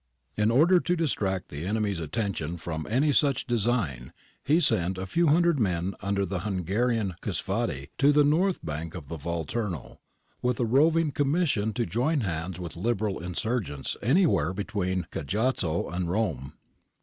In order to dis tract the enemy's attention from any such design, he sent a few hundred men under the Hungarian Csufady to the north bank of the Volturno, with a roving commission to join hands with Liberal insurgents anywhere between Cajazzo and Rome.